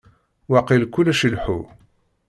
Waqil kullec ileḥḥu.